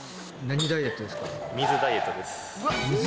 水ダイエットです。